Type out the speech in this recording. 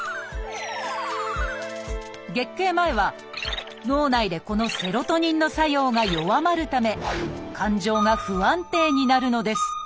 月経前は脳内でこのセロトニンの作用が弱まるため感情が不安定になるのです。